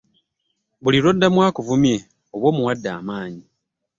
Buli lw'oddamu akuvumye oba omuwadde amaanyi.